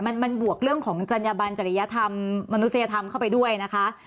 มันบวกเรื่องของจัญญบันจริยธรรมมนุษยธรรมเข้าไปด้วยนะคะ